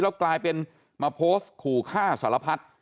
แล้วกลายเป็นมาโพสต์ขู่ฆ่าสารพัฒน์